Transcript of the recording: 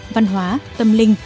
văn hóa tâm linh